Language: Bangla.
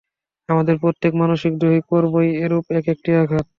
আমাদের প্রত্যেক মানসিক ও দৈহিক কর্মই এরূপ এক-একটি আঘাত।